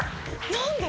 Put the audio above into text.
何で！？